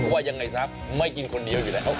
ว่ายังไงซะไม่กินคนเดียวอยู่แล้ว